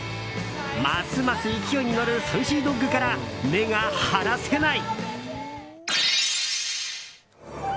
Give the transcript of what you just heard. ますます勢いに乗るＳａｕｃｙＤｏｇから目が離せない。